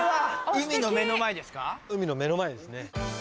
海の目の前ですね。